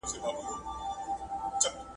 خپلې خوښې او ناخوښې په څېړنه کې مه شاملوئ.